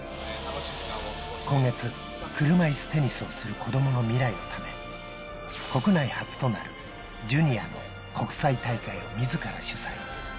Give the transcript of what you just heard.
今月、車いすテニスをする子どもの未来のため、国内初となるジュニアの国際大会をみずから主催。